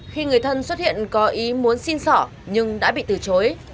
khi người thân xuất hiện có ý muốn xin sỏ nhưng đã bị từ chối